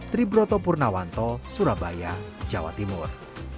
triburoto purnawanto surabaya jawa timur